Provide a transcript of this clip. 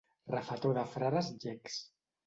Refetor de frares llecs.